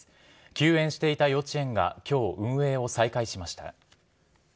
休園していた幼稚園がきょう、運営を再開しました。